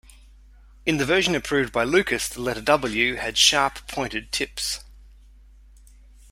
In the version approved by Lucas, the letter "W" had sharp, pointed tips.